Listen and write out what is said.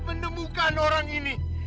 menemukan orang ini